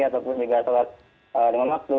ataupun juga sholat dengan waktu